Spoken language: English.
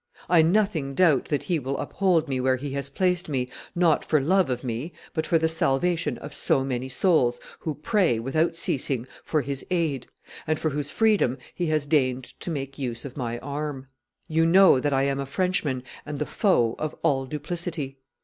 I nothing doubt that He will uphold me where He has placed me, not for love of me, but for the salvation of so many souls who pray, without ceasing, for His aid, and for whose freedom He has deigned to make use of my arm. You know that I am a Frenchman and the foe of all duplicity.